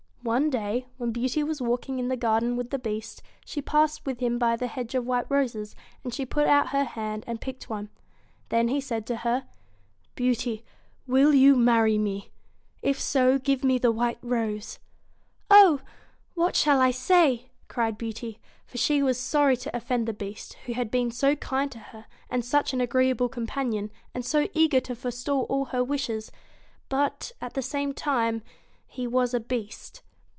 One day, when Beauty was walking in the garden with the Beast, she passed with him by the hedge of white roses, and she put out her hand and picked one. Then he said to her: 'Beauty, will you marry me ? If so give me the white rose.' ' Oh 1 what shall I say ?' cried Beauty ; for she was sorry to offend the Beast, who had been so kind to her, and such an agreeable companion, and so eager to forestall all her wishes ; but, at the same time he was a Beast.